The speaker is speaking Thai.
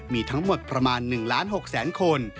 มีทั้งหมดประมาณ๑๖๐๐๐๐๐คน